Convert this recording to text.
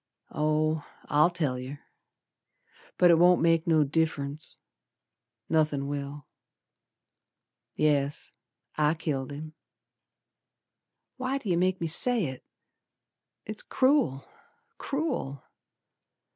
Oh, I'll tell yer. But it won't make no diff'rence. Nothin' will. Yes, I killed him. Why do yer make me say it? It's cruel! Cruel!